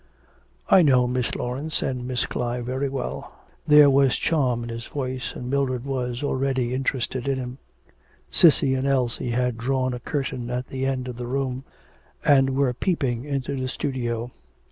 'I know Miss Laurence and Miss Clive very well.' There was charm in his voice, and Mildred was already interested in him. Cissy and Elsie had drawn a curtain at the end of the room and were peeping into the studio.